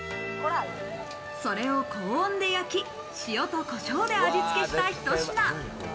それを高温で焼き、塩とコショウで味付けしたひと品。